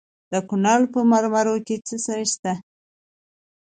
د کونړ په مروره کې څه شی شته؟